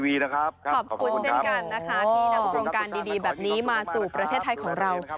ที่นักโครงการดีแบบนี้มาสู่ประเทศไทยของเรา